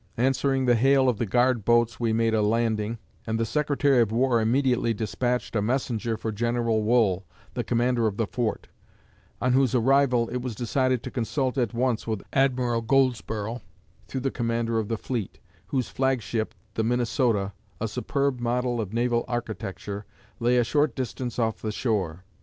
Answering the hail of the guard boats, we made a landing, and the Secretary of War immediately despatched a messenger for General Wool, the commander of the fort; on whose arrival it was decided to consult at once with Admiral Goldsborough, the commander of the fleet, whose flag ship, the 'Minnesota,' a superb model of naval architecture, lay a short distance off the shore.